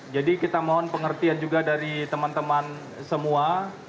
jadi kita mohon pengertian juga dari teman teman semua